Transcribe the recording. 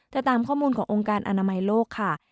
แต่ตามข้อมูลขององค์การอนามัยโลกค่ะ